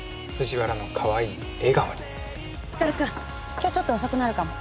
今日ちょっと遅くなるかも。